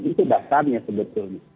itu dasarnya sebetulnya